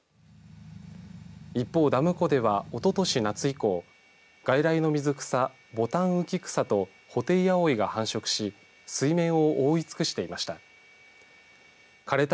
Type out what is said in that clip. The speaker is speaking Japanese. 一方、ダム湖ではおととし夏以降外来の水草ボタンウキクサとホテイアオイが繁殖し水面を覆い尽くしていました。